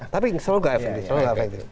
tapi selalu enggak efektif